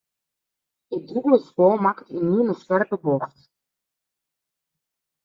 It dûbelde spoar makke ynienen in skerpe bocht.